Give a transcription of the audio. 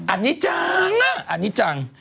อันนี้จังอันนี้จัง